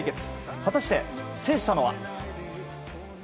果たして制したのは。